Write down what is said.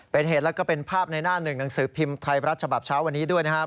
เป็นเหตุแล้วก็เป็นภาพในหน้าหนึ่งหนังสือพิมพ์ไทยรัฐฉบับเช้าวันนี้ด้วยนะครับ